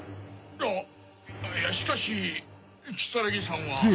あいやしかし如月さんは。